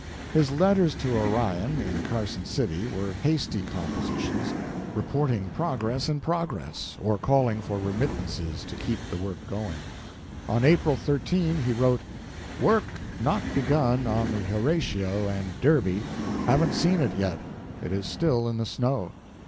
His letters to Orion, in Carson City, were hasty compositions, reporting progress and progress, or calling for remittances to keep the work going. On April 13, he wrote: "Work not begun on the Horatio and Derby haven't seen it yet. It is still in the snow.